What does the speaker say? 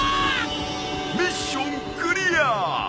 ミッションクリア！